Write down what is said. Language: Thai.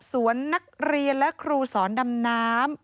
ทำไมไม่เป็นอย่างปะนะ